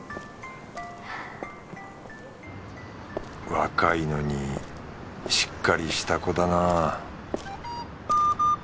若いのにしっかりした子だな